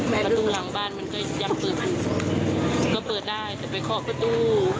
ประตูหลังบ้านมันก็ยังเปิดก็เปิดได้แต่ไปเคาะประตู